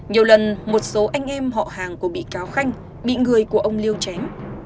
nhiều lần một số anh em họ hàng của bị cáo khanh bị người của ông liêu chém